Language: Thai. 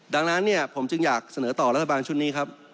ดังนั้นเนี่ยผมจึงอยากเสนอต่อรัฐบาลชุดนี้ครับ